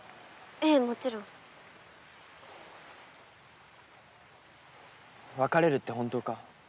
ええもちろん別れるって本当か？